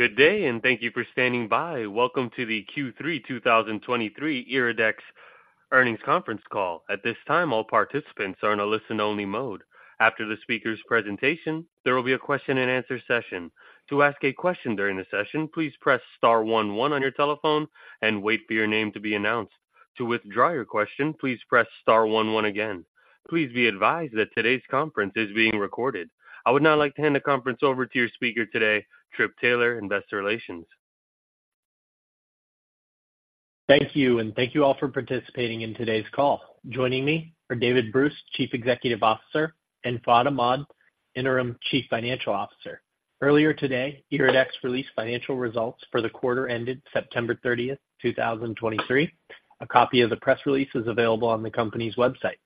Good day, and thank you for standing by. Welcome to the Q3 2023 IRIDEX Earnings Conference Call. At this time, all participants are in a listen-only mode. After the speaker's presentation, there will be a question-and-answer session. To ask a question during the session, please press star one one on your telephone and wait for your name to be announced. To withdraw your question, please press star one one again. Please be advised that today's conference is being recorded. I would now like to hand the conference over to your speaker today, Trip Taylor, Investor Relations. Thank you, and thank you all for participating in today's call. Joining me are David Bruce, Chief Executive Officer, and Fuad Ahmad, Interim Chief Financial Officer. Earlier today, IRIDEX released financial results for the quarter ended September 30th, 2023. A copy of the press release is available on the company's website.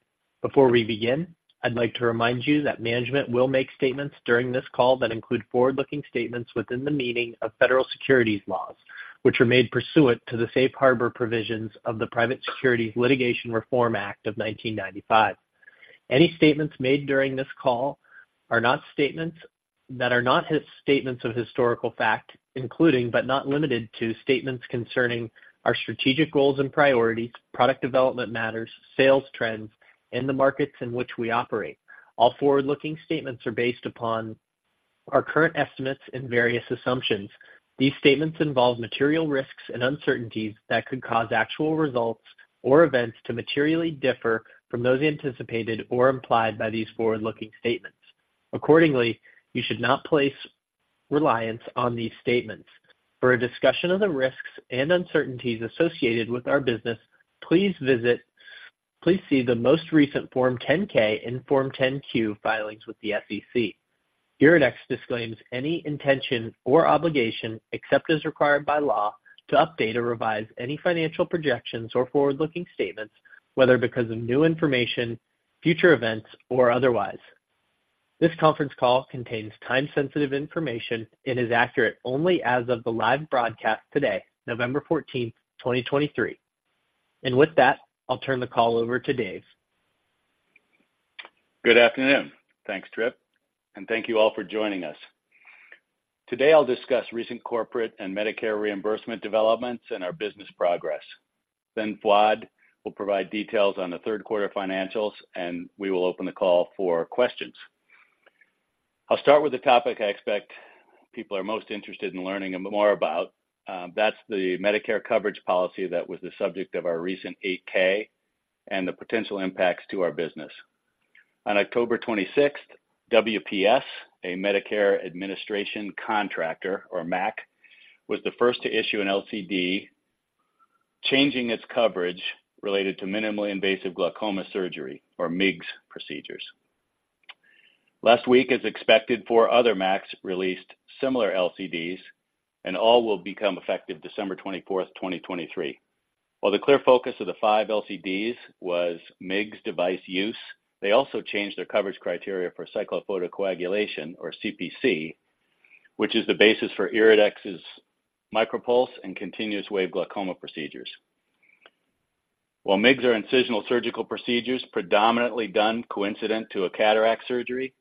Before we begin, I'd like to remind you that management will make statements during this call that include forward-looking statements within the meaning of federal securities laws, which are made pursuant to the Safe Harbor provisions of the Private Securities Litigation Reform Act of 1995. Any statements made during this call that are not statements of historical fact, including, but not limited to, statements concerning our strategic goals and priorities, product development matters, sales trends, and the markets in which we operate. All forward-looking statements are based upon our current estimates and various assumptions. These statements involve material risks and uncertainties that could cause actual results or events to materially differ from those anticipated or implied by these forward-looking statements. Accordingly, you should not place reliance on these statements. For a discussion of the risks and uncertainties associated with our business, please see the most recent Form 10-K and Form 10-Q filings with the SEC. IRIDEX disclaims any intention or obligation, except as required by law, to update or revise any financial projections or forward-looking statements, whether because of new information, future events, or otherwise. This conference call contains time-sensitive information and is accurate only as of the live broadcast today, November 14th, 2023. And with that, I'll turn the call over to Dave. Good afternoon. Thanks, Trip, and thank you all for joining us. Today, I'll discuss recent corporate and Medicare reimbursement developments and our business progress. Then Fuad will provide details on the third quarter financials, and we will open the call for questions. I'll start with the topic I expect people are most interested in learning a bit more about, that's the Medicare coverage policy that was the subject of our recent 8-K and the potential impacts to our business. On October 26th, WPS, a Medicare Administrative Contractor, or MAC, was the first to issue an LCD, changing its coverage related to Minimally Invasive Glaucoma Surgery, or MIGS, procedures. Last week, as expected, four other MACs released similar LCDs, and all will become effective December 24th, 2023. While the clear focus of the five LCDs was MIGS device use, they also changed their coverage criteria for Cyclophotocoagulation, or CPC, which is the basis for IRIDEX's MicroPulse and Continuous Wave glaucoma procedures. While MIGS are incisional surgical procedures predominantly done coincident to a cataract surgery,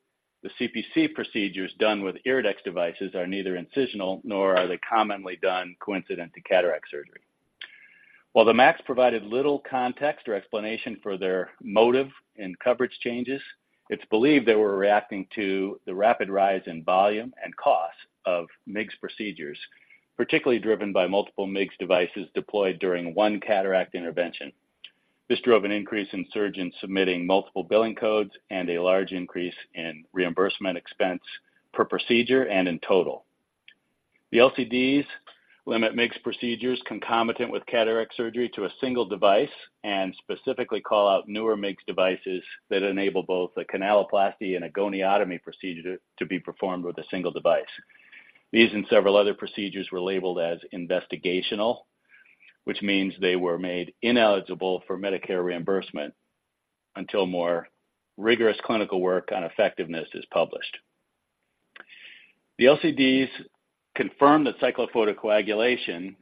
the CPC procedures done with IRIDEX devices are neither incisional nor are they commonly done coincident to cataract surgery. While the MACs provided little context or explanation for their motive and coverage changes, it's believed they were reacting to the rapid rise in volume and cost of MIGS procedures, particularly driven by multiple MIGS devices deployed during one cataract intervention. This drove an increase in surgeons submitting multiple billing codes and a large increase in reimbursement expense per procedure and in total. The LCDs limit MIGS procedures concomitant with cataract surgery to a single device and specifically call out newer MIGS devices that enable both a Canaloplasty and a Goniotomy procedure to be performed with a single device. These and several other procedures were labeled as investigational, which means they were made ineligible for Medicare reimbursement until more rigorous clinical work on effectiveness is published. The LCDs confirmed that Cyclophotocoagulation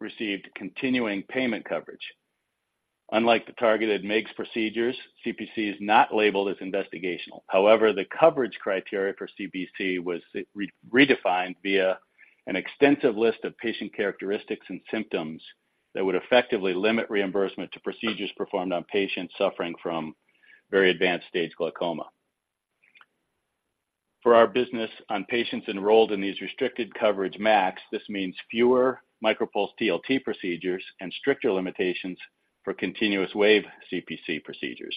received continuing payment coverage. Unlike the targeted MIGS procedures, CPC is not labeled as investigational. However, the coverage criteria for CPC was redefined via an extensive list of patient characteristics and symptoms that would effectively limit reimbursement to procedures performed on patients suffering from very advanced stage glaucoma. For our business, on patients enrolled in these restricted coverage MACs, this means fewer MicroPulse TLT procedures and stricter limitations for continuous wave CPC procedures.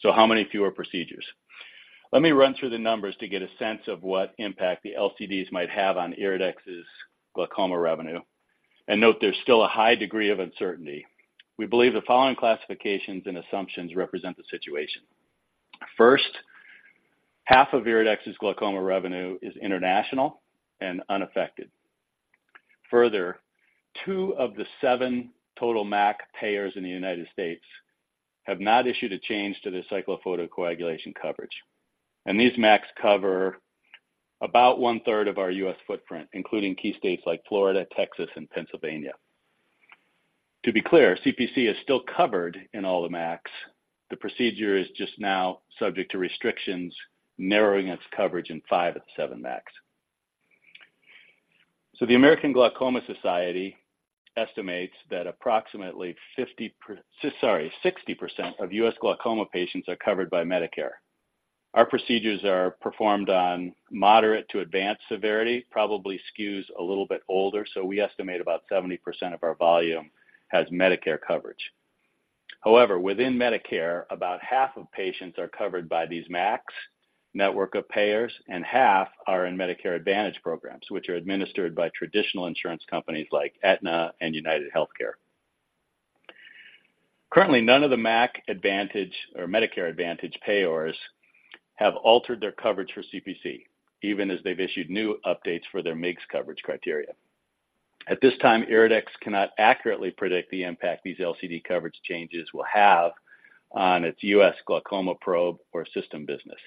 So how many fewer procedures? Let me run through the numbers to get a sense of what impact the LCDs might have on IRIDEX's glaucoma revenue, and note there's still a high degree of uncertainty. We believe the following classifications and assumptions represent the situation. First, half of IRIDEX's glaucoma revenue is international and unaffected. Further, two of the seven total MAC payers in the United States have not issued a change to the cyclophotocoagulation coverage, and these MACs cover about one-third of our U.S. footprint, including key states like Florida, Texas, and Pennsylvania. To be clear, CPC is still covered in all the MACs. The procedure is just now subject to restrictions, narrowing its coverage in five of the seven MACs. So the American Glaucoma Society estimates that approximately 50%, sorry, 60% of U.S. glaucoma patients are covered by Medicare. Our procedures are performed on moderate to advanced severity, probably skews a little bit older, so we estimate about 70% of our volume has Medicare coverage. However, within Medicare, about half of patients are covered by these MACs, network of payers, and half are in Medicare Advantage programs, which are administered by traditional insurance companies like Aetna and UnitedHealthcare. Currently, none of the MACs or Medicare Advantage payers have altered their coverage for CPC, even as they've issued new updates for their MIGS coverage criteria. At this time, IRIDEX cannot accurately predict the impact these LCD coverage changes will have on its U.S. glaucoma probe or system business.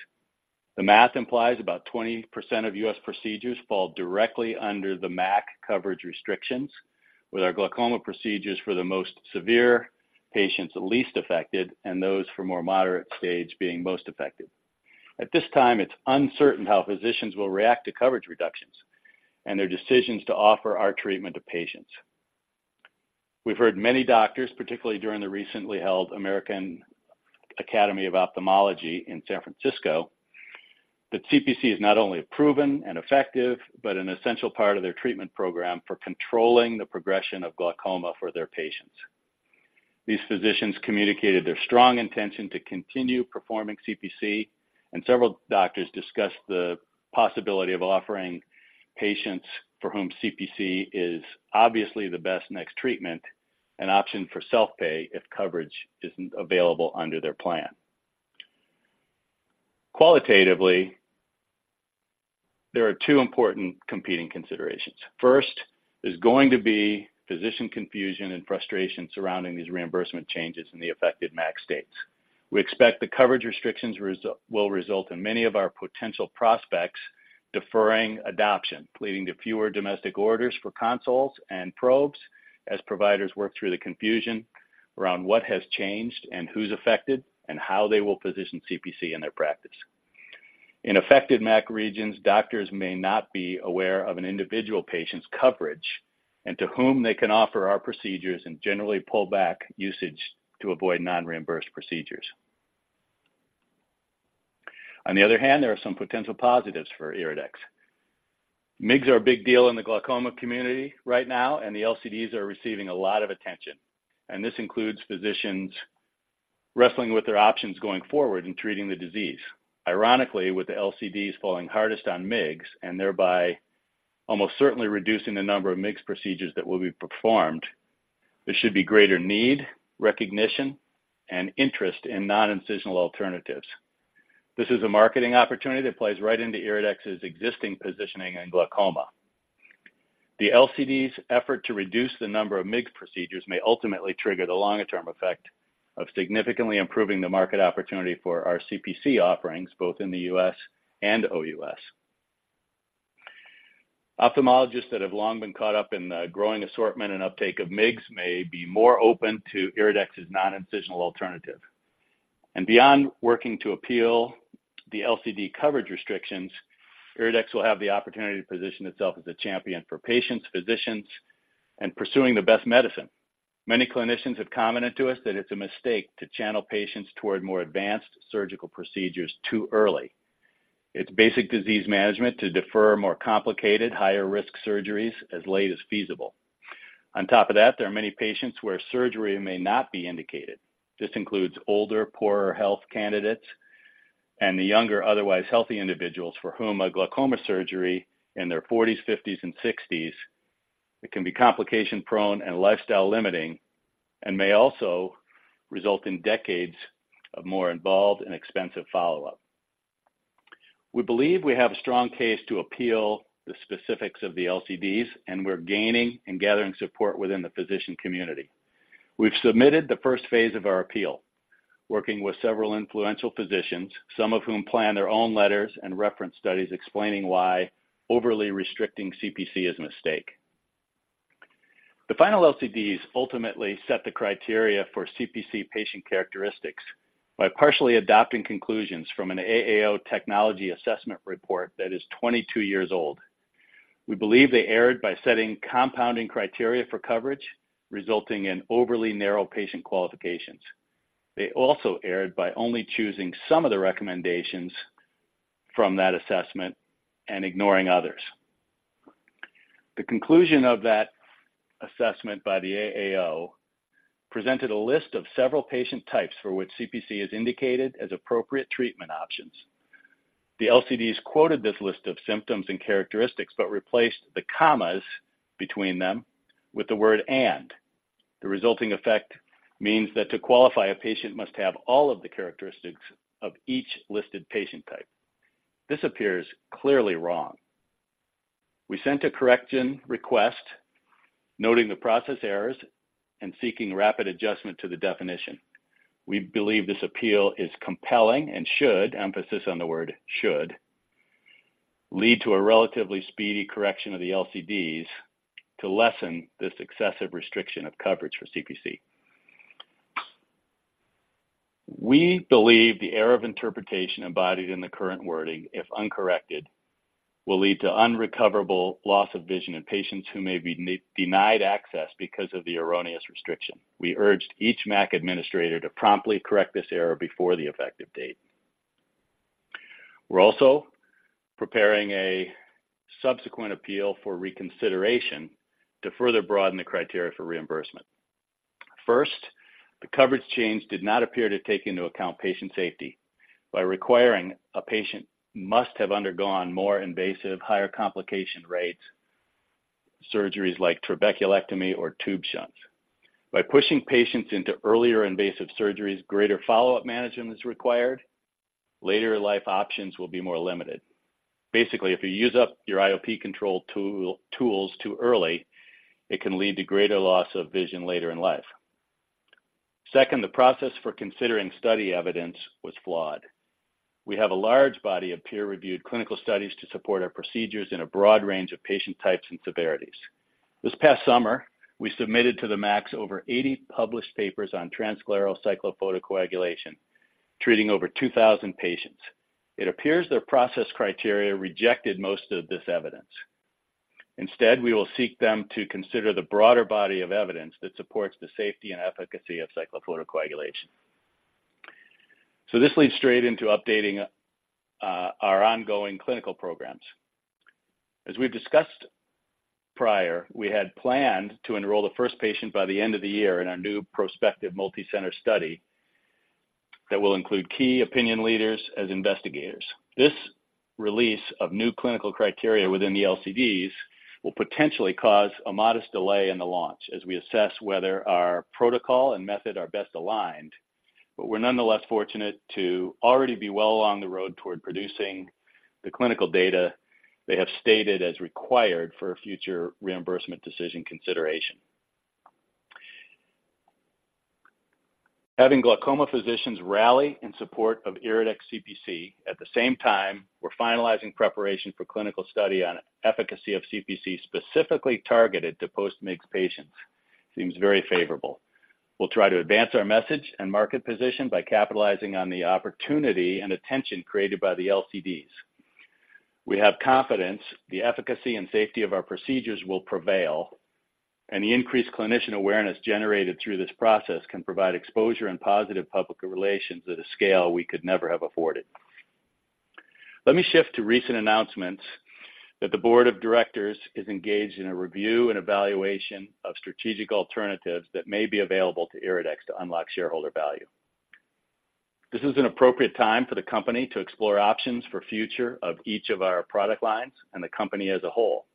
The math implies about 20% of U.S. procedures fall directly under the MAC coverage restrictions, with our glaucoma procedures for the most severe patients the least affected, and those for more moderate stage being most affected. At this time, it's uncertain how physicians will react to coverage reductions and their decisions to offer our treatment to patients. We've heard many doctors, particularly during the recently held American Academy of Ophthalmology in San Francisco, that CPC is not only proven and effective, but an essential part of their treatment program for controlling the progression of glaucoma for their patients. These physicians communicated their strong intention to continue performing CPC, and several doctors discussed the possibility of offering patients for whom CPC is obviously the best next treatment, an option for self-pay if coverage isn't available under their plan. Qualitatively, there are two important competing considerations. First, there's going to be physician confusion and frustration surrounding these reimbursement changes in the affected MAC states. We expect the coverage restrictions will result in many of our potential prospects deferring adoption, leading to fewer domestic orders for consoles and probes as providers work through the confusion around what has changed and who's affected, and how they will position CPC in their practice. In affected MAC regions, doctors may not be aware of an individual patient's coverage and to whom they can offer our procedures and generally pull back usage to avoid non-reimbursed procedures. On the other hand, there are some potential positives for IRIDEX. MIGS are a big deal in the glaucoma community right now, and the LCDs are receiving a lot of attention, and this includes physicians wrestling with their options going forward in treating the disease. Ironically, with the LCDs falling hardest on MIGS and thereby almost certainly reducing the number of MIGS procedures that will be performed, there should be greater need, recognition, and interest in non-incisional alternatives. This is a marketing opportunity that plays right into IRIDEX's existing positioning in glaucoma. The LCD's effort to reduce the number of MIGS procedures may ultimately trigger the longer-term effect of significantly improving the market opportunity for our CPC offerings, both in the U.S. and OUS. Ophthalmologists that have long been caught up in the growing assortment and uptake of MIGS may be more open to IRIDEX's non-incisional alternative. And beyond working to appeal the LCD coverage restrictions, IRIDEX will have the opportunity to position itself as a champion for patients, physicians, and pursuing the best medicine. Many clinicians have commented to us that it's a mistake to channel patients toward more advanced surgical procedures too early. It's basic disease management to defer more complicated, higher-risk surgeries as late as feasible. On top of that, there are many patients where surgery may not be indicated. This includes older, poorer health candidates and the younger, otherwise healthy individuals for whom a glaucoma surgery in their forties, fifties, and sixties it can be complication-prone and lifestyle-limiting, and may also result in decades of more involved and expensive follow-up. We believe we have a strong case to appeal the specifics of the LCDs, and we're gaining and gathering support within the physician community. We've submitted the first phase of our appeal, working with several influential physicians, some of whom plan their own letters and reference studies explaining why overly restricting CPC is a mistake. The final LCDs ultimately set the criteria for CPC patient characteristics by partially adopting conclusions from an AAO technology assessment report that is 22 years old. We believe they erred by setting compounding criteria for coverage, resulting in overly narrow patient qualifications. They also erred by only choosing some of the recommendations from that assessment and ignoring others. The conclusion of that assessment by the AAO presented a list of several patient types for which CPC is indicated as appropriate treatment options. The LCDs quoted this list of symptoms and characteristics, but replaced the commas between them with the word and. The resulting effect means that to qualify, a patient must have all of the characteristics of each listed patient type. This appears clearly wrong. We sent a correction request noting the process errors and seeking rapid adjustment to the definition. We believe this appeal is compelling and should, emphasis on the word should, lead to a relatively speedy correction of the LCDs to lessen this excessive restriction of coverage for CPC. We believe the error of interpretation embodied in the current wording, if uncorrected, will lead to unrecoverable loss of vision in patients who may be denied access because of the erroneous restriction. We urged each MAC administrator to promptly correct this error before the effective date. We're also preparing a subsequent appeal for reconsideration to further broaden the criteria for reimbursement. First, the coverage change did not appear to take into account patient safety, by requiring a patient must have undergone more invasive, higher complication rates, surgeries like trabeculectomy or tube shunts. By pushing patients into earlier invasive surgeries, greater follow-up management is required, later life options will be more limited. Basically, if you use up your IOP control tools too early, it can lead to greater loss of vision later in life. Second, the process for considering study evidence was flawed. We have a large body of peer-reviewed clinical studies to support our procedures in a broad range of patient types and severities. This past summer, we submitted to the MACs over 80 published papers on transscleral cyclophotocoagulation, treating over 2,000 patients. It appears their process criteria rejected most of this evidence. Instead, we will seek them to consider the broader body of evidence that supports the safety and efficacy of cyclophotocoagulation. So this leads straight into updating our ongoing clinical programs. As we've discussed prior, we had planned to enroll the first patient by the end of the year in our new prospective multicenter study, that will include key opinion leaders as investigators. This release of new clinical criteria within the LCDs will potentially cause a modest delay in the launch as we assess whether our protocol and method are best aligned. But we're nonetheless fortunate to already be well along the road toward producing the clinical data they have stated as required for a future reimbursement decision consideration. Having glaucoma physicians rally in support of IRIDEX CPC, at the same time, we're finalizing preparation for clinical study on efficacy of CPC, specifically targeted to post-MIGS patients, seems very favorable. We'll try to advance our message and market position by capitalizing on the opportunity and attention created by the LCDs. We have confidence the efficacy and safety of our procedures will prevail, and the increased clinician awareness generated through this process can provide exposure and positive public relations at a scale we could never have afforded. Let me shift to recent announcements that the board of directors is engaged in a review and evaluation of strategic alternatives that may be available to IRIDEX to unlock shareholder value. This is an appropriate time for the company to explore options for future of each of our product lines and the company as a whole.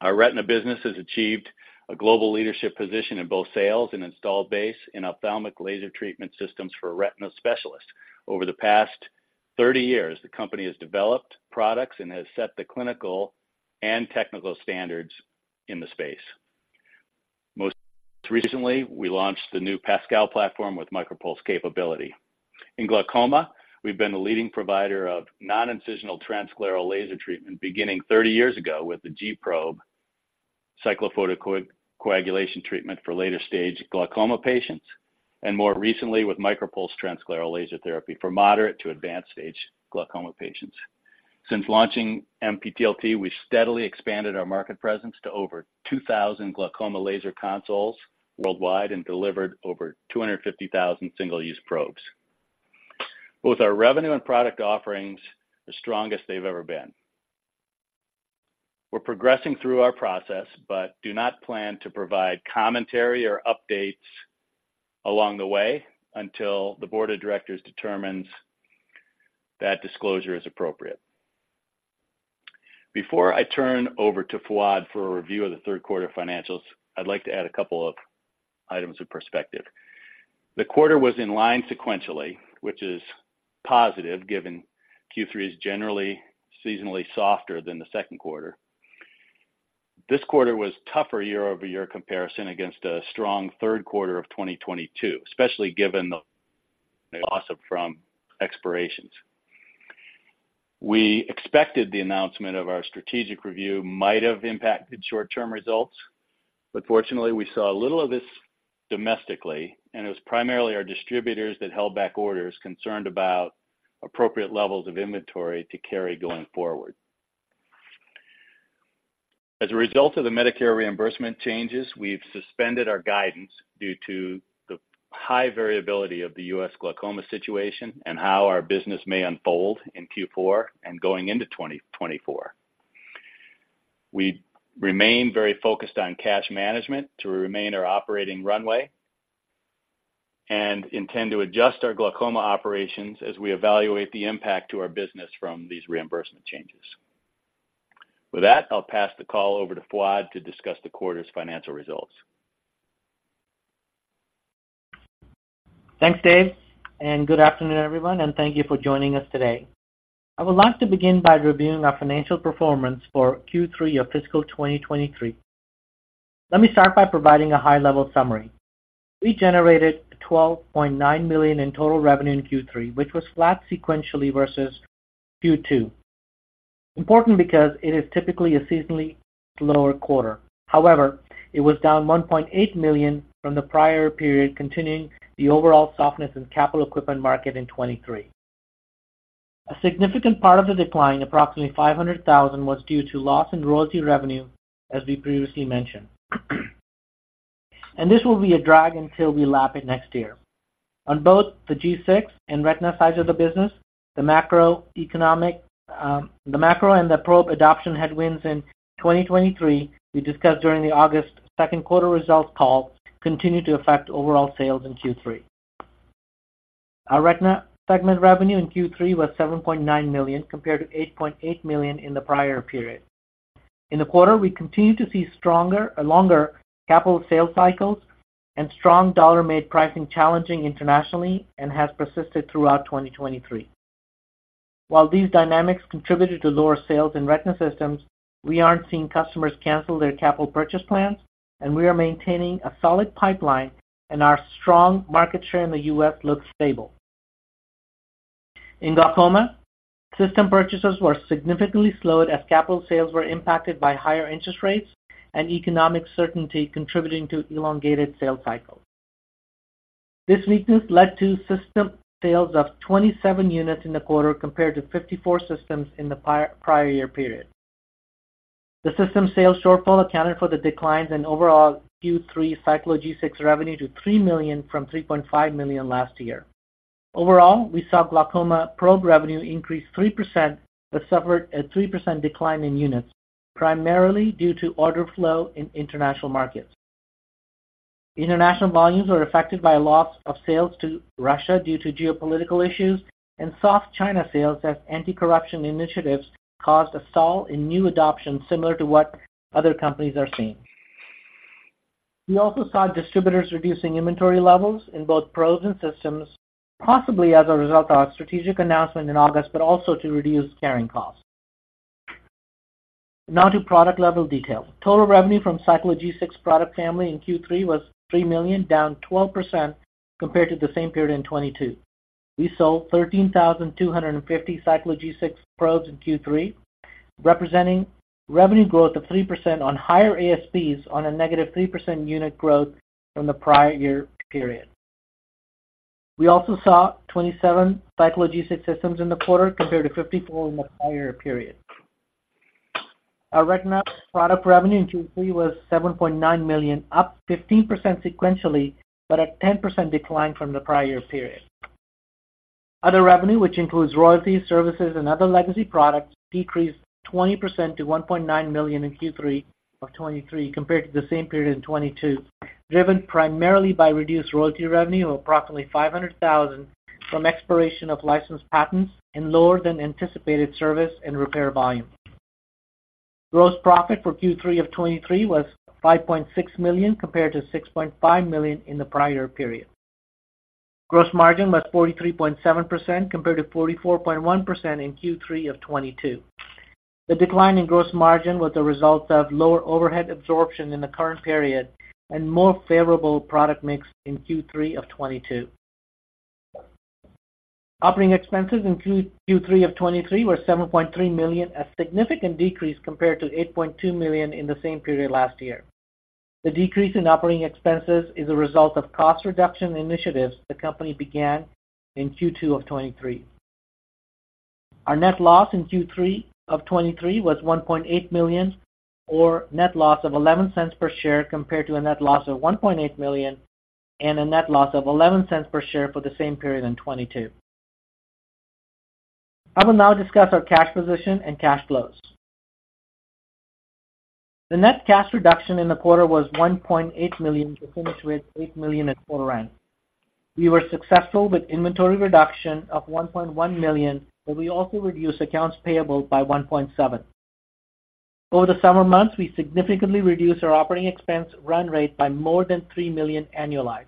Our retina business has achieved a global leadership position in both sales and installed base in ophthalmic laser treatment systems for retina specialists. Over the past 30 years, the company has developed products and has set the clinical and technical standards in the space. Most recently, we launched the new PASCAL platform with MicroPulse capability. In glaucoma, we've been the leading provider of non-incisional transscleral laser treatment, beginning 30 years ago with the G-Probe cyclophotocoagulation treatment for later-stage glaucoma patients, and more recently with MicroPulse transscleral laser therapy for moderate to advanced stage glaucoma patients. Since launching MPTLT, we steadily expanded our market presence to over 2,000 glaucoma laser consoles worldwide and delivered over 250,000 single-use probes. Both our revenue and product offerings, the strongest they've ever been. We're progressing through our process, but do not plan to provide commentary or updates along the way until the board of directors determines that disclosure is appropriate. Before I turn over to Fuad for a review of the third quarter financials, I'd like to add a couple of items of perspective. The quarter was in line sequentially, which is positive, given Q3 is generally seasonally softer than the second quarter. This quarter was tougher year-over-year comparison against a strong third quarter of 2022, especially given the loss of [royalties] from expirations. We expected the announcement of our strategic review might have impacted short-term results, but fortunately, we saw a little of this domestically, and it was primarily our distributors that held back orders, concerned about appropriate levels of inventory to carry going forward. As a result of the Medicare reimbursement changes, we've suspended our guidance due to the high variability of the U.S. glaucoma situation and how our business may unfold in Q4 and going into 2024. We remain very focused on cash management to remain our operating runway and intend to adjust our glaucoma operations as we evaluate the impact to our business from these reimbursement changes. With that, I'll pass the call over to Fuad to discuss the quarter's financial results. Thanks, Dave, and good afternoon, everyone, and thank you for joining us today. I would like to begin by reviewing our financial performance for Q3 of fiscal 2023. Let me start by providing a high-level summary. We generated $12.9 million in total revenue in Q3, which was flat sequentially versus Q2. Important because it is typically a seasonally lower quarter. However, it was down $1.8 million from the prior period, continuing the overall softness in capital equipment market in 2023. A significant part of the decline, approximately $500,000, was due to loss in royalty revenue, as we previously mentioned. This will be a drag until we lap it next year. On both the G6 and retina sides of the business, the macroeconomic, the macro and the probe adoption headwinds in 2023, we discussed during the August second quarter results call, continued to affect overall sales in Q3. Our retina segment revenue in Q3 was $7.9 million, compared to $8.8 million in the prior period. In the quarter, we continued to see stronger, longer capital sales cycles and strong dollar headwinds making pricing challenging internationally and has persisted throughout 2023. While these dynamics contributed to lower sales in retina systems, we aren't seeing customers cancel their capital purchase plans, and we are maintaining a solid pipeline, and our strong market share in the U.S. looks stable. In glaucoma, system purchases were significantly slowed as capital sales were impacted by higher interest rates and economic uncertainty, contributing to elongated sales cycles. This weakness led to system sales of 27 units in the quarter, compared to 54 systems in the prior year period. The system sales shortfall accounted for the declines in overall Q3 Cyclo G6 revenue to $3 million from $3.5 million last year. Overall, we saw glaucoma probe revenue increase 3%, but suffered a 3% decline in units, primarily due to order flow in international markets. International volumes were affected by a loss of sales to Russia due to geopolitical issues and soft China sales, as anti-corruption initiatives caused a stall in new adoption, similar to what other companies are seeing. We also saw distributors reducing inventory levels in both probes and systems, possibly as a result of our strategic announcement in August, but also to reduce carrying costs. Now to product-level details. Total revenue from Cyclo G6 product family in Q3 was $3 million, down 12% compared to the same period in 2022. We sold 13,250 Cyclo G6 probes in Q3, representing revenue growth of 3% on higher ASPs on a -3% unit growth from the prior year period. We also saw 27 Cyclo G6 systems in the quarter, compared to 54 in the prior period. Our retina product revenue in Q3 was $7.9 million, up 15% sequentially, but a 10% decline from the prior year period. Other revenue, which includes royalties, services, and other legacy products, decreased 20% to $1.9 million in Q3 of 2023, compared to the same period in 2022, driven primarily by reduced royalty revenue of approximately $500,000 from expiration of licensed patents and lower than anticipated service and repair volume. Gross profit for Q3 of 2023 was $5.6 million, compared to $6.5 million in the prior period. Gross margin was 43.7%, compared to 44.1% in Q3 of 2022. The decline in gross margin was a result of lower overhead absorption in the current period and more favorable product mix in Q3 of 2022. Operating expenses in Q3 of 2023 were $7.3 million, a significant decrease compared to $8.2 million in the same period last year. The decrease in operating expenses is a result of cost reduction initiatives the company began in Q2 of 2023. Our net loss in Q3 of 2023 was $1.8 million, or net loss of 11 cents per share, compared to a net loss of $1.8 million and a net loss of 11 cents per share for the same period in 2022. I will now discuss our cash position and cash flows. The net cash reduction in the quarter was $1.8 million, to finish with $8 million at quarter end. We were successful with inventory reduction of $1.1 million, but we also reduced accounts payable by $1.7 million. Over the summer months, we significantly reduced our operating expense run rate by more than $3 million annualized.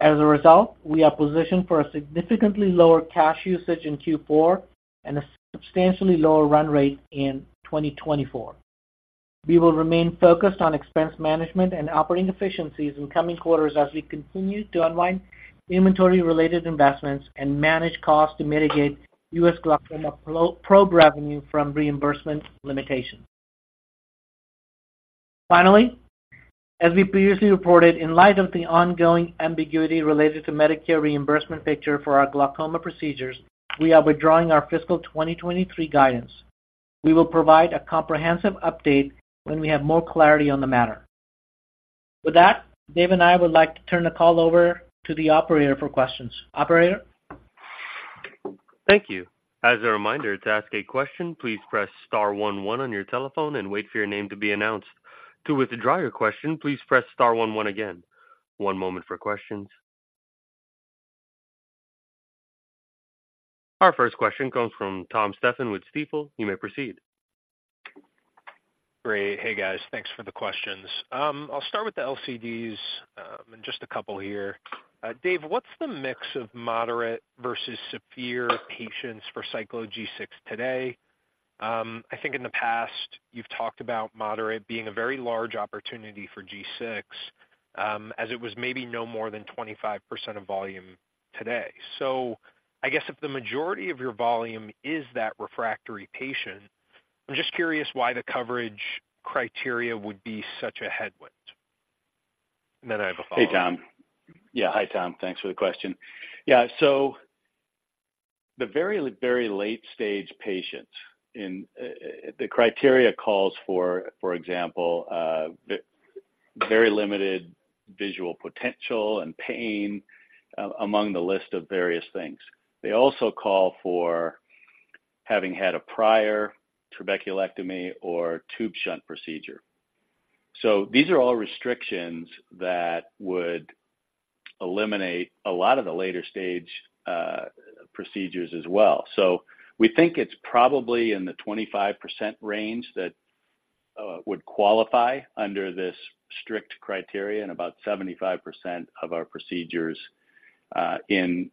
As a result, we are positioned for a significantly lower cash usage in Q4 and a substantially lower run rate in 2024. We will remain focused on expense management and operating efficiencies in coming quarters as we continue to unwind inventory-related investments and manage costs to mitigate U.S. glaucoma G-Probe revenue from reimbursement limitations. Finally, as we previously reported, in light of the ongoing ambiguity related to Medicare reimbursement picture for our glaucoma procedures, we are withdrawing our fiscal 2023 guidance. We will provide a comprehensive update when we have more clarity on the matter. With that, Dave and I would like to turn the call over to the operator for questions. Operator? Thank you. As a reminder, to ask a question, please press star one, one on your telephone and wait for your name to be announced. To withdraw your question, please press star one, one again. One moment for questions. Our first question comes from Thomas Stephan with Stifel. You may proceed. Great. Hey, guys. Thanks for the questions. I'll start with the LCDs, in just a couple here. Dave, what's the mix of moderate versus severe patients for Cyclo G6 today? I think in the past, you've talked about moderate being a very large opportunity for G6. as it was maybe no more than 25% of volume today. So I guess if the majority of your volume is that refractory patient, I'm just curious why the coverage criteria would be such a headwind? And then I have a follow-up. Hey, Tom. Yeah, hi, Tom. Thanks for the question. Yeah, so the very, very late stage patients in, the criteria calls for, for example, the very limited visual potential and pain, among the list of various things. They also call for having had a prior trabeculectomy or tube shunt procedure. So these are all restrictions that would eliminate a lot of the later stage, procedures as well. So we think it's probably in the 25% range that, would qualify under this strict criteria, and about 75% of our procedures, in,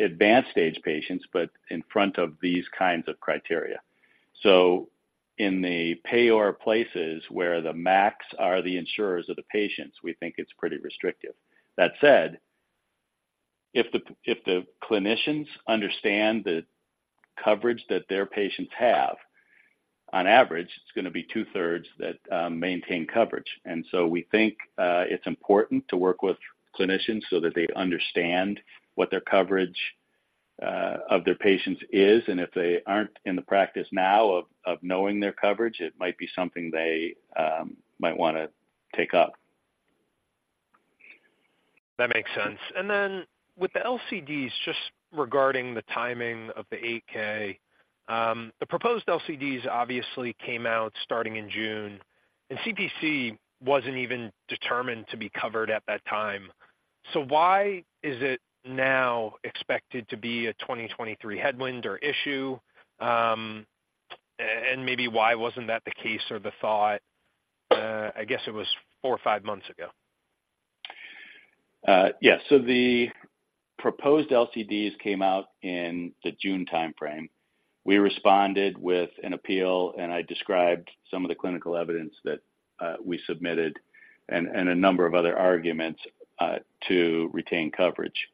advanced stage patients, but in front of these kinds of criteria. So in the payer places where the MACs are the insurers of the patients, we think it's pretty restrictive. That said, if the clinicians understand the coverage that their patients have, on average, it's gonna be two-thirds that maintain coverage. And so we think it's important to work with clinicians so that they understand what their coverage of their patients is, and if they aren't in the practice now of knowing their coverage, it might be something they might wanna take up. That makes sense. And then with the LCDs, just regarding the timing of the 8-K, the proposed LCDs obviously came out starting in June, and CPC wasn't even determined to be covered at that time. So why is it now expected to be a 2023 headwind or issue? And maybe why wasn't that the case or the thought, I guess it was four or five months ago? Yes. So the proposed LCDs came out in the June timeframe. We responded with an appeal, and I described some of the clinical evidence that we submitted and a number of other arguments to retain coverage.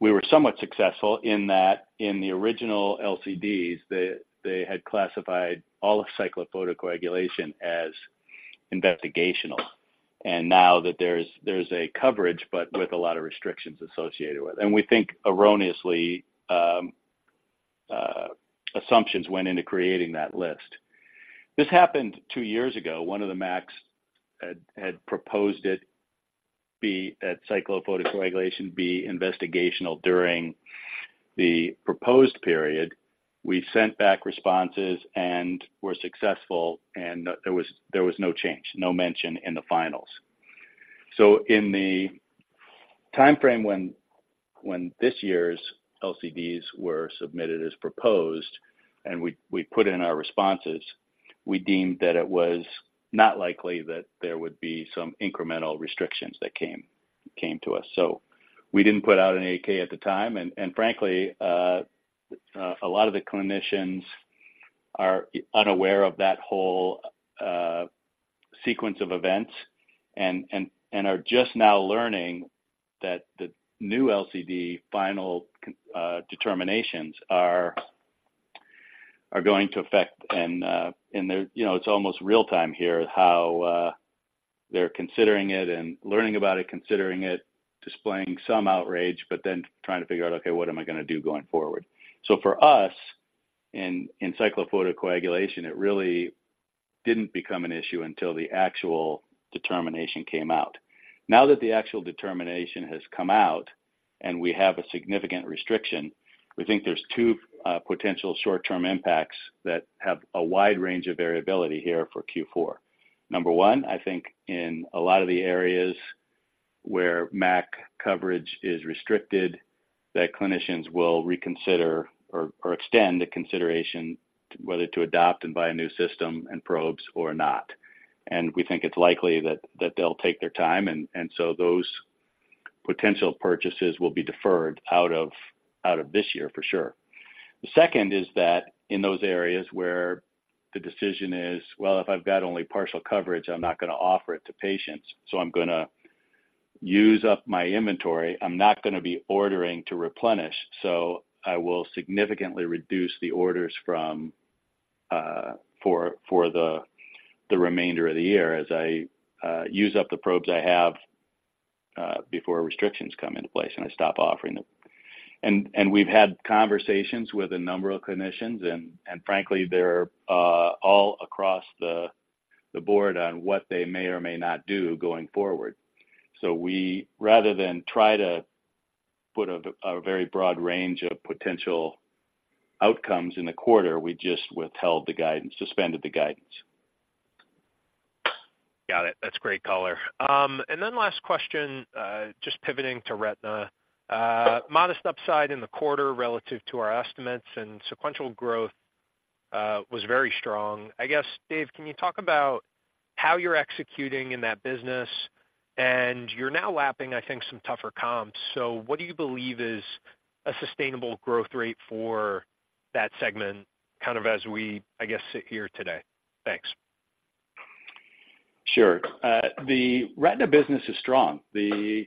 We were somewhat successful in that in the original LCDs, they had classified all of cyclophotocoagulation as investigational. And now that there's a coverage, but with a lot of restrictions associated with it. And we think erroneously assumptions went into creating that list. This happened two years ago. One of the MACs had proposed that cyclophotocoagulation be investigational during the proposed period. We sent back responses and were successful, and there was no change, no mention in the finals. So in the timeframe when this year's LCDs were submitted as proposed, and we put in our responses, we deemed that it was not likely that there would be some incremental restrictions that came to us. So we didn't put out an AK at the time, and frankly, a lot of the clinicians are unaware of that whole sequence of events and are just now learning that the new LCD final determinations are going to affect. And they're, you know, it's almost real-time here, how they're considering it and learning about it, considering it, displaying some outrage, but then trying to figure out, okay, what am I gonna do going forward? So for us, in cyclophotocoagulation, it really didn't become an issue until the actual determination came out. Now that the actual determination has come out and we have a significant restriction, we think there's two potential short-term impacts that have a wide range of variability here for Q4. Number one, I think in a lot of the areas where MAC coverage is restricted, that clinicians will reconsider or extend the consideration whether to adopt and buy a new system and probes or not. And we think it's likely that they'll take their time, and so those potential purchases will be deferred out of this year for sure. The second is that in those areas where the decision is, well, if I've got only partial coverage, I'm not gonna offer it to patients, so I'm gonna use up my inventory. I'm not gonna be ordering to replenish, so I will significantly reduce the orders from for the remainder of the year as I use up the probes I have before restrictions come into place, and I stop offering them. And we've had conversations with a number of clinicians, and frankly, they're all across the board on what they may or may not do going forward. So we, rather than try to put a very broad range of potential outcomes in the quarter, we just withheld the guidance—suspended the guidance. Got it. That's great color. And then last question, just pivoting to Retina. Modest upside in the quarter relative to our estimates and sequential growth was very strong. I guess, Dave, can you talk about how you're executing in that business? And you're now lapping, I think, some tougher comps. So what do you believe is a sustainable growth rate for that segment, kind of as we, I guess, sit here today? Thanks. Sure. The retina business is strong. The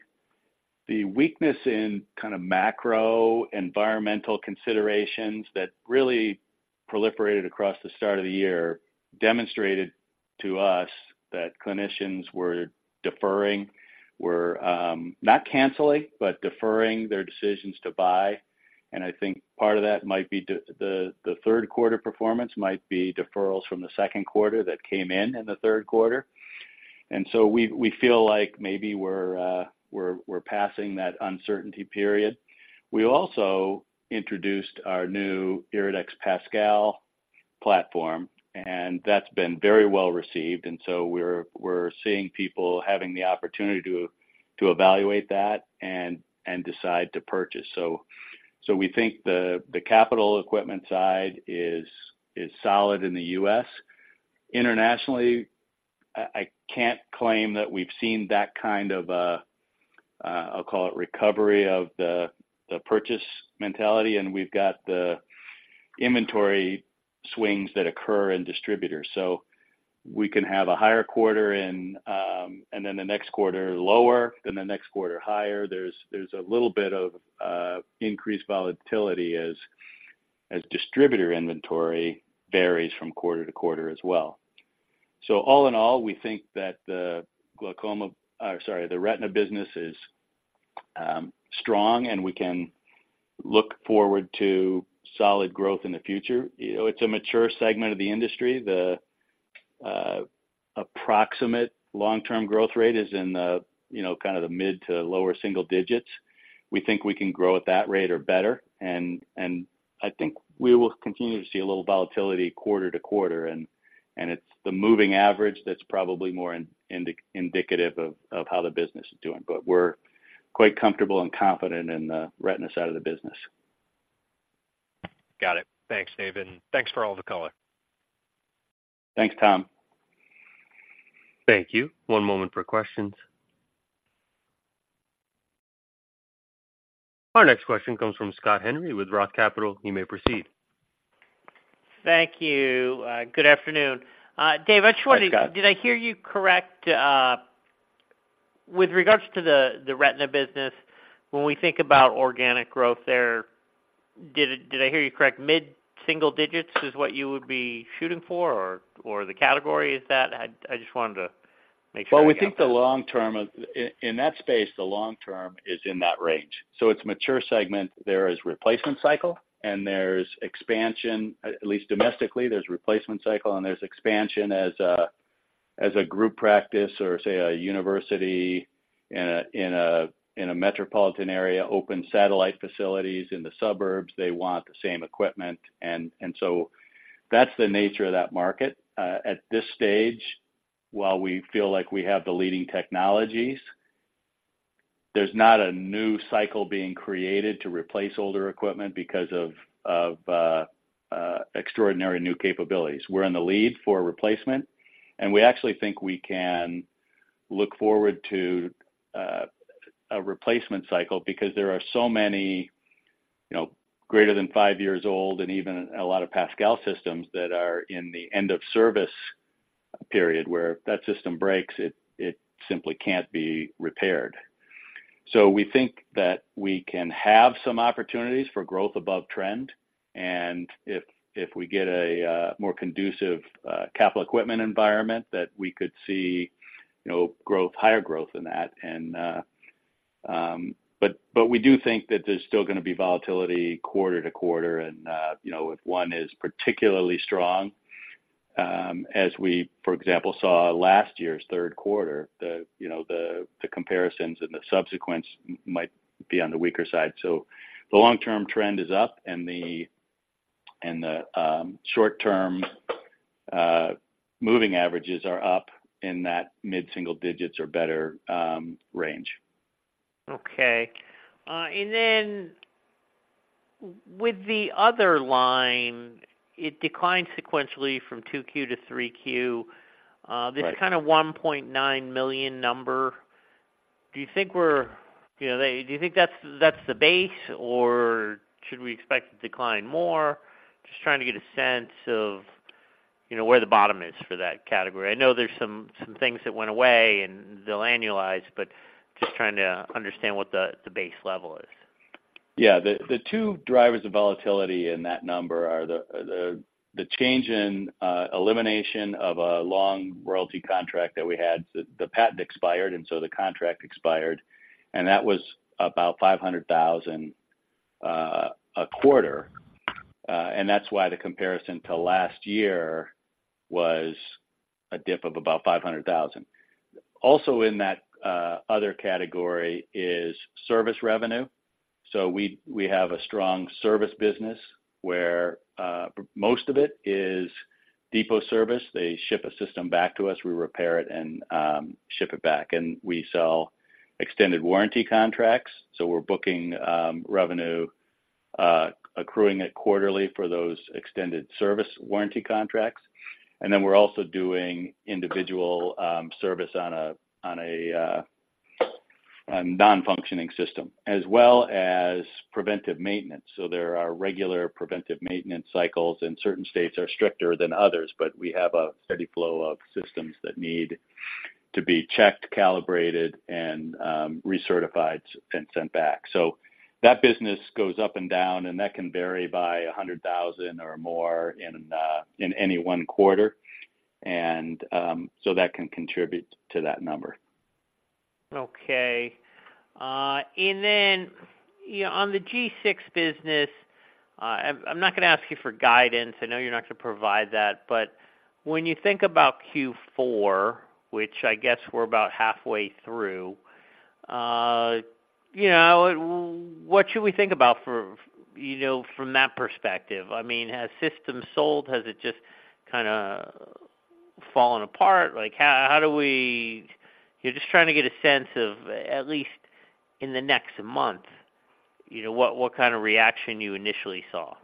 weakness in kind of macro environmental considerations that really proliferated across the start of the year demonstrated to us that clinicians were deferring, not canceling, but deferring their decisions to buy. And I think part of that might be the third quarter performance, might be deferrals from the second quarter that came in, in the third quarter. And so we feel like maybe we're, we're passing that uncertainty period. We also introduced our new IRIDEX PASCAL platform, and that's been very well received, and so we're seeing people having the opportunity to evaluate that and decide to purchase. So we think the capital equipment side is solid in the U.S. Internationally, I can't claim that we've seen that kind of, I'll call it recovery of the purchase mentality, and we've got the inventory swings that occur in distributors. So we can have a higher quarter and then the next quarter lower, then the next quarter higher. There's a little bit of increased volatility as distributor inventory varies from quarter to quarter as well. So all in all, we think that the glaucoma, sorry, the retina business is strong, and we can look forward to solid growth in the future. You know, it's a mature segment of the industry. The approximate long-term growth rate is in the, you know, kind of the mid to lower single digits. We think we can grow at that rate or better, and I think we will continue to see a little volatility quarter to quarter, and it's the moving average that's probably more indicative of how the business is doing. But we're quite comfortable and confident in the retina side of the business. Got it. Thanks, Dave, and thanks for all the color. Thanks, Tom. Thank you. One moment for questions. Our next question comes from Scott Henry with Roth Capital. You may proceed. Thank you. Good afternoon. Dave, I just wondering. Hi, Scott. Did I hear you correct with regards to the retina business, when we think about organic growth there? Did I hear you correct, mid-single digits is what you would be shooting for, or the category is that? I just wanted to make sure I got that. Well, we think the long term, in that space, the long term is in that range. So it's a mature segment. There is replacement cycle, and there's expansion, at least domestically, there's replacement cycle, and there's expansion as a group practice or say, a university in a metropolitan area, open satellite facilities in the suburbs, they want the same equipment, and so that's the nature of that market. At this stage, while we feel like we have the leading technologies, there's not a new cycle being created to replace older equipment because of extraordinary new capabilities. We're in the lead for replacement, and we actually think we can look forward to a replacement cycle because there are so many, you know, greater than five years old and even a lot of PASCAL systems that are in the end of service period, where if that system breaks, it simply can't be repaired. So we think that we can have some opportunities for growth above trend, and if we get a more conducive capital equipment environment, that we could see, you know, growth, higher growth than that. But we do think that there's still gonna be volatility quarter to quarter, and you know, if one is particularly strong, as we, for example, saw last year's third quarter, you know, the comparisons and the subsequent months might be on the weaker side. So the long-term trend is up, and the short-term moving averages are up in that mid-single digits or better range. Okay. And then with the other line, it declined sequentially from 2Q to 3Q. Right. This kind of $1.9 million number, do you think we're, you know, do you think that's the base, or should we expect it to decline more? Just trying to get a sense of, you know, where the bottom is for that category. I know there's some things that went away and they'll annualize, but just trying to understand what the base level is. Yeah, the two drivers of volatility in that number are the change in elimination of a long royalty contract that we had. The patent expired, and so the contract expired, and that was about $500,000 a quarter, and that's why the comparison to last year was a dip of about $500,000. Also in that other category is service revenue. So we have a strong service business, where most of it is depot service. They ship a system back to us, we repair it and ship it back, and we sell extended warranty contracts, so we're booking revenue accruing it quarterly for those extended service warranty contracts. And then we're also doing individual service on a non-functioning system, as well as preventive maintenance. So there are regular preventive maintenance cycles, and certain states are stricter than others, but we have a steady flow of systems that need to be checked, calibrated, and recertified and sent back. So that business goes up and down, and that can vary by $100,000 or more in any one quarter. And so that can contribute to that number. Okay. And then, you know, on the G6 business, I'm not gonna ask you for guidance, I know you're not gonna provide that, but when you think about Q4, which I guess we're about halfway through, you know, what should we think about for, you know, from that perspective? I mean, has systems sold, has it just kinda fallen apart? Like, how do we- you're just trying to get a sense of, at least in the next month, you know, what kind of reaction you initially saw?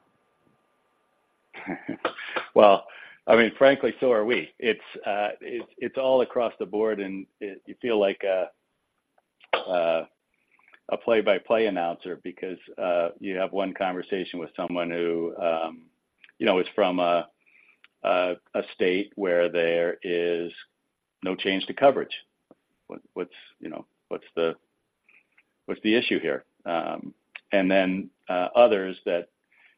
Well, I mean, frankly, so are we. It's all across the board, and you feel like a play-by-play announcer because you have one conversation with someone who, you know, is from a state where there is no change to coverage. What’s, you know, the issue here? And then, others that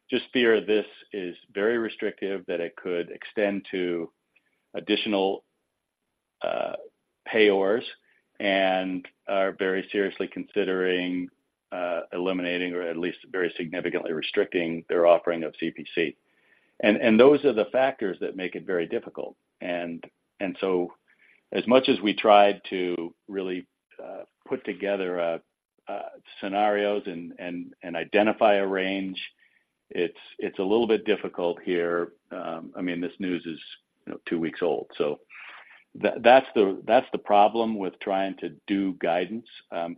just fear this is very restrictive, that it could extend to additional payers and are very seriously considering eliminating or at least very significantly restricting their offering of CPC. And those are the factors that make it very difficult. And so as much as we tried to really put together scenarios and identify a range, it's a little bit difficult here. I mean, this news is, you know, two weeks old. So that's the problem with trying to do guidance.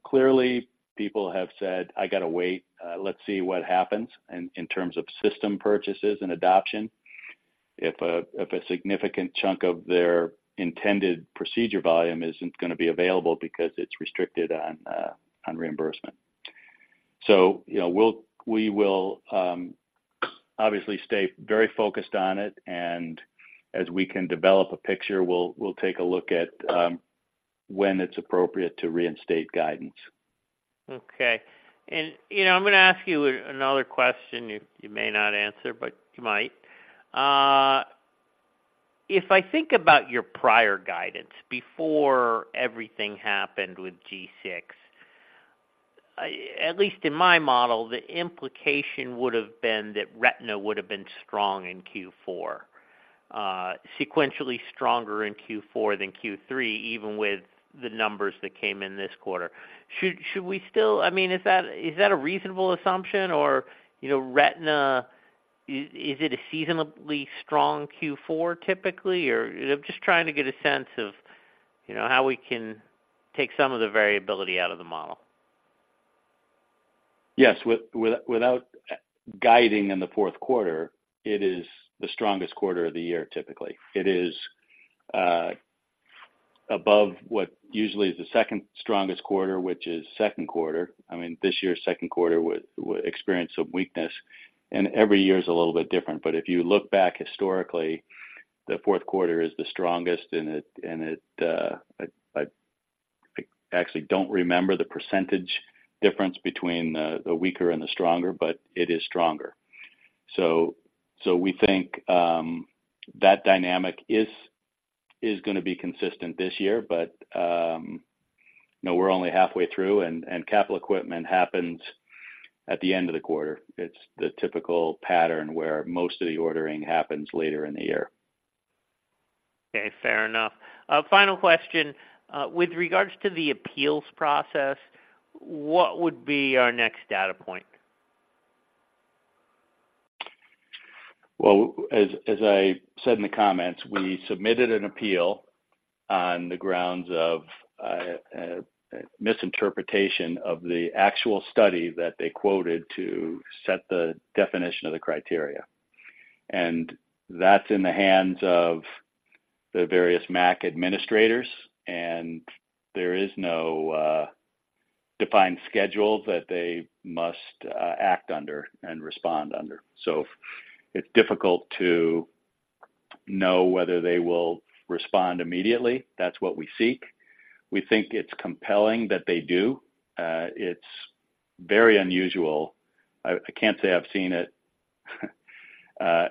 Clearly, people have said, "I gotta wait, let's see what happens," and in terms of system purchases and adoption, if a significant chunk of their intended procedure volume isn't gonna be available because it's restricted on reimbursement. So, you know, we will obviously stay very focused on it, and as we can develop a picture, we'll take a look at when it's appropriate to reinstate guidance. Okay. And, you know, I'm gonna ask you another question you may not answer, but you might. If I think about your prior guidance, before everything happened with G6, at least in my model, the implication would've been that retina would've been strong in Q4, sequentially stronger in Q4 than Q3, even with the numbers that came in this quarter. Should we still. I mean, is that a reasonable assumption? Or, you know, retina, is it a seasonally strong Q4, typically? Or I'm just trying to get a sense of, you know, how we can take some of the variability out of the model. Yes, without guiding in the fourth quarter, it is the strongest quarter of the year, typically. It is above what usually is the second strongest quarter, which is second quarter. I mean, this year's second quarter would experience some weakness, and every year is a little bit different. But if you look back historically, the fourth quarter is the strongest, and actually I don't remember the percentage difference between the weaker and the stronger, but it is stronger. So we think that dynamic is gonna be consistent this year, but you know, we're only halfway through, and capital equipment happens at the end of the quarter. It's the typical pattern where most of the ordering happens later in the year. Okay, fair enough. Final question. With regards to the appeals process, what would be our next data point? Well, as I said in the comments, we submitted an appeal on the grounds of misinterpretation of the actual study that they quoted to set the definition of the criteria. And that's in the hands of the various MAC administrators, and there is no defined schedule that they must act under and respond under. So it's difficult to know whether they will respond immediately. That's what we seek. We think it's compelling that they do. It's very unusual, I can't say I've seen it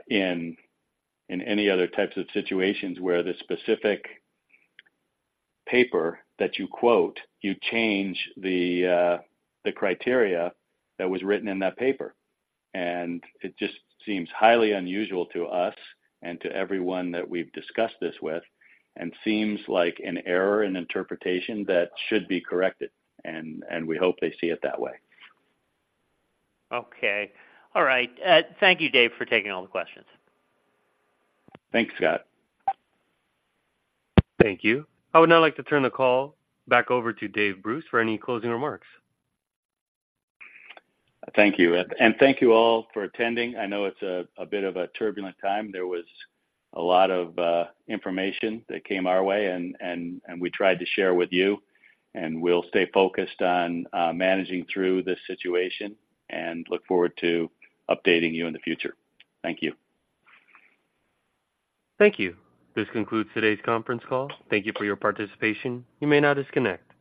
in any other types of situations where the specific paper that you quote, you change the criteria that was written in that paper. It just seems highly unusual to us and to everyone that we've discussed this with, and seems like an error in interpretation that should be corrected, and we hope they see it that way. Okay. All right. Thank you, Dave, for taking all the questions. Thanks, Scott. Thank you. I would now like to turn the call back over to David Bruce for any closing remarks. Thank you, and thank you all for attending. I know it's a bit of a turbulent time. There was a lot of information that came our way and we tried to share with you, and we'll stay focused on managing through this situation and look forward to updating you in the future. Thank you. Thank you. This concludes today's conference call. Thank you for your participation. You may now disconnect.